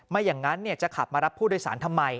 ไม่อย่างนั้นจะขับมารับผู้โดยสารทำไม